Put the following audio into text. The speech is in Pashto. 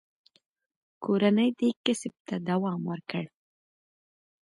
کورنۍ دې کسب ته دوام ورکړ.